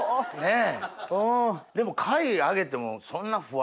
え！